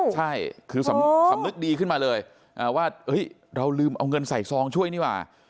ใช่คือสำนึกดีขึ้นมาเลยว่าเราลืมเอาเงินใส่ซองช่วยนี่หว่า